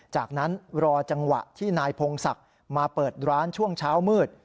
จากนั้นรอจังหวะที่นายพงศักดิ์มาเปิดร้านช่วงเช้ามืด